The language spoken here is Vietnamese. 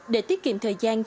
để tiết kiệm thời gian